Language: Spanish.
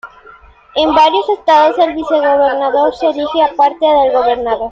En varios estados el vicegobernador se elige aparte del gobernador.